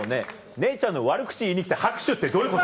姉ちゃんの悪口言いに来て拍手ってどういうこと？